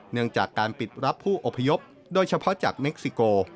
เนื่องจากการปิดรับผู้อพยพโดยเฉพาะจากเม็กซิโก